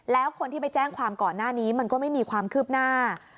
แล้วคนที่ไปแจ้งความก่อนหน้านี้มันก็ไม่มีความคืบหน้า